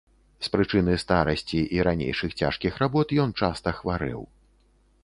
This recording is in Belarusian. З прычыны старасці і ранейшых цяжкіх работ, ён часта хварэў.